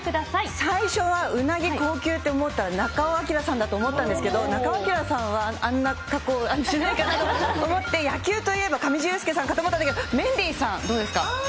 最初はうなぎ、高級って思ったら、中尾彬さんだと思ったんですけど、中尾彬さんはあんな格好しないかなと思って、野球といえば、上地雄輔さんかと思ったんですけど、メンディーさん、どうですか。